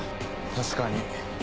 確かに。